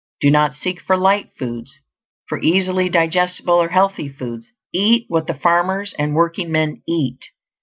Do not seek for "light" foods; for easily digestible, or "healthy" foods; eat what the farmers and workingmen eat.